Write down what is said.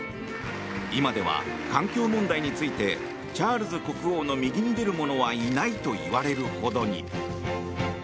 今では環境問題についてチャールズ国王の右に出る者はいないといわれるほどに。